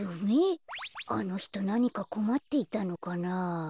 あのひとなにかこまっていたのかなあ。